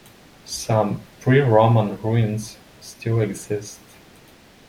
Some pre-Roman ruins still exist.